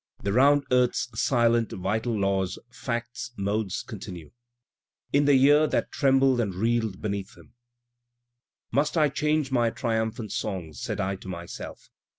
The round earth's silent, vital laws, facts, modes continue. In the year that "trembled and reeled beneath him": Must I change my triumphant songs? said I to myself.